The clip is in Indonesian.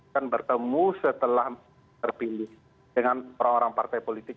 dan bertemu setelah terpilih dengan orang orang partai politik